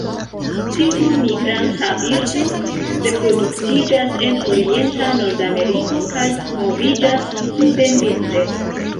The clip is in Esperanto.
Tiu migranta birdo reproduktiĝas en orienta Nordameriko kaj moviĝas suden vintre.